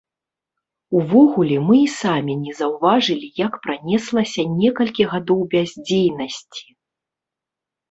Увогуле, мы і самі не заўважылі як пранеслася некалькі гадоў бяздзейнасці.